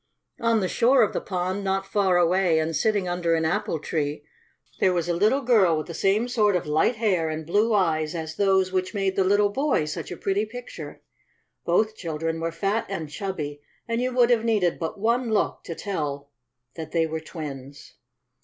On the shore of the pond, not far away, and sitting under an apple tree, was a little girl with the same sort of light hair and blue eyes as those which made the little boy such a pretty picture. Both children were fat and chubby, and you would have needed but one look to tell that they were twins.